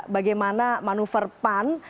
bagaimana manuver pan